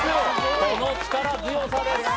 この力強さです。